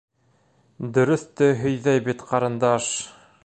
Дөрөҫтө һөйҙәй бит ҡарындаш!